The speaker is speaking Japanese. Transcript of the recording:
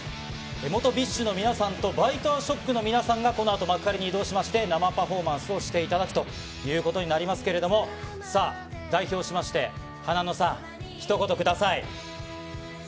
元ＢｉＳＨの皆さんと、ＢｉＴＥＡＳＨＯＣＫの皆さんがこのあと幕張に移動しまして、生パフォーマンスをしていただくということになりますけれども、さあ、代表しまして、はなのさん、ひと言ください。